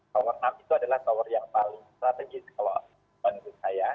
tower enam itu adalah tower yang paling strategis kalau menurut saya